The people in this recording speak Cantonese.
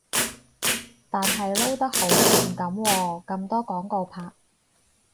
但係撈得好掂噉喎，咁多廣告拍